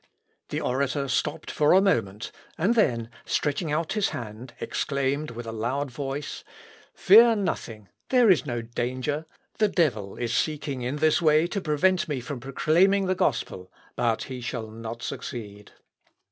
The orator stopped for a moment, and then, stretching out his hand, exclaimed, with a loud voice, "Fear nothing; there is no danger; the devil is seeking, in this way, to prevent me from proclaiming the gospel, but he shall not succeed."